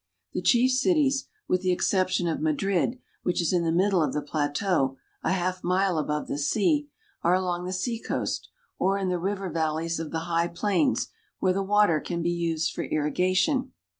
The chief cities, with the exception of Madrid, which is in the middle of the plateau, a half mile above the sea, are along the seacoast or in the river valleys of the high plains, where the water can be used for irrigation.